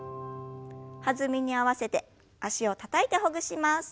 弾みに合わせて脚をたたいてほぐします。